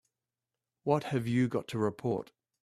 What have you got to report?